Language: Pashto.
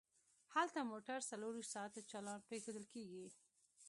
هلته موټر څلور ویشت ساعته چالان پریښودل کیږي